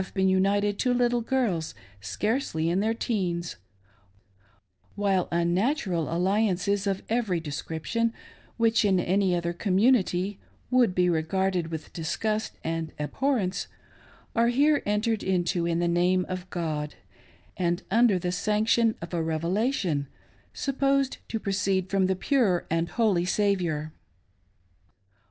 been united to little girls scarcely in their teens ; while unnatural alliances of every description, which in any other community would be regarded with disgust and abhorrence, are here entered into in the name of God, and under the sanction of a " Revelation " supposed to proceed from the pure and holy Saviour.